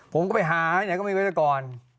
ผมก็ไปหาไหนก็มีวิศวกร